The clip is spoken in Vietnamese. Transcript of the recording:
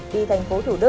đi thành phố thủ đức